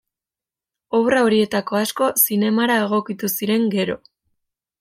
Obra horietako asko zinemara egokitu ziren gero.